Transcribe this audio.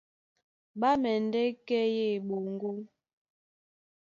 Ɓá mɛndɛ́ kɛ́ yé eɓoŋgó,